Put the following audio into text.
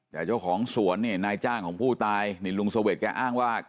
แต่เจ้าของสวนเนี่ยนายจ้างของผู้ตายนี่ลุงเสวดแกอ้างว่า